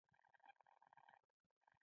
• هوښیار سړی بېځایه خبرې نه کوي.